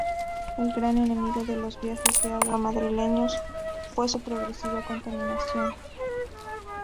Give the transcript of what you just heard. El gran enemigo de los viajes de agua madrileños fue su progresiva contaminación.